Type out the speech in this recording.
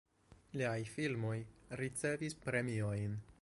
Liaj filmoj ricevis premiojn.